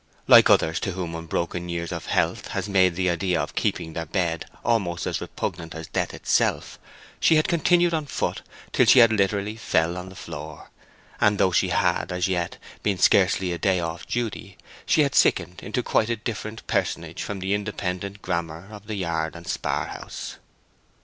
Like others to whom unbroken years of health has made the idea of keeping their bed almost as repugnant as death itself, she had continued on foot till she literally fell on the floor; and though she had, as yet, been scarcely a day off duty, she had sickened into quite a different personage from the independent Grammer of the yard and spar house.